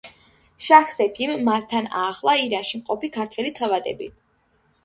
შაჰ-სეფიმ მას თან აახლა ირანში მყოფი ქართველი თავადები.